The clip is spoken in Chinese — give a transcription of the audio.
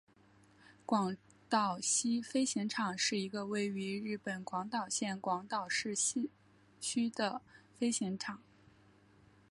广岛西飞行场是一个位于日本广岛县广岛市西区的飞行场。